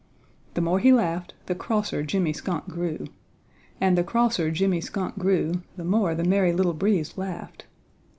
The more he laughed the crosser Jimmy Skunk grew, and the crosser Jimmy Skunk grew the more the Merry Little Breeze laughed.